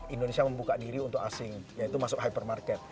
indonesia membuka diri untuk asing yaitu masuk hypermarket